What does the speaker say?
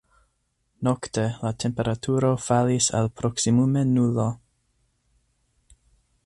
Nokte la temperaturo falis al proksimume nulo.